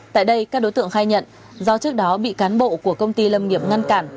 tại đây các đối tượng khai nhận do trước đó bị cán bộ của công ty lâm nghiệp ngăn cản